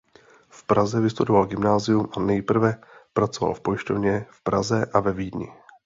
V Praze vystudoval gymnázium a nejprve pracoval v pojišťovně v Praze a ve Vídni.